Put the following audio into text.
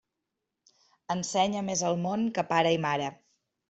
Ensenya més el món que pare i mare.